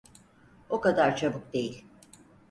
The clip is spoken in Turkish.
O kadar çabuk değil.